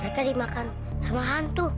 mereka dimakan sama hantu